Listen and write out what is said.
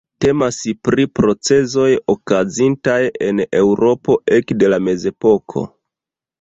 Temas pri procezoj okazintaj en Eŭropo ekde la mezepoko.